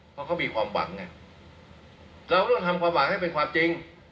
เพราะเขามีความหวังไงเราต้องทำความหวังให้เป็นความจริง